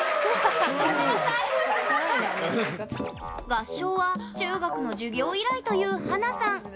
合唱は中学の授業以来という華さん。